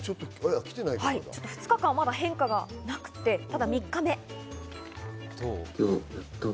２日目はまだ変化がなくて、ただ３日目。